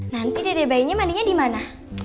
nanti dede bayinya mandinya dimana